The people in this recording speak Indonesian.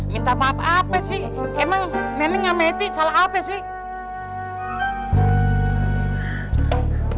minta maaf apa sih emang memang mati salah apa sih